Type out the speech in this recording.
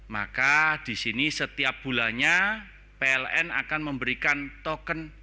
maka di sini setiap bulannya pln akan memberikan token